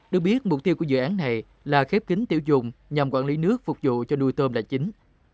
được biết mục tiêu của dự án này là khép kính tiểu dùng nhằm quản lý nước phục vụ cho nuôi tôm là chính